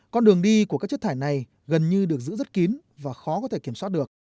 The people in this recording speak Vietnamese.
con đường đi của các chất thải này gần như được giữ rất kín và khó có thể kiểm soát được